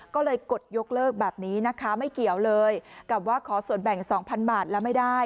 ก็เลยกดยกเลิกแบบนี้นะคะไม่เกี่ยวเลยกับว่าขอส่วนแบ่ง๒๐๐บาทแล้วไม่ได้